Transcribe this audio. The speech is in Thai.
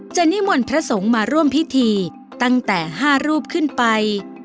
นิมนต์พระสงฆ์มาร่วมพิธีตั้งแต่๕รูปขึ้นไป